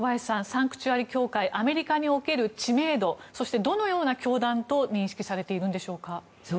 サンクチュアリ教会のアメリカにおける知名度そしてどのような教団と認識されているんでしょうか。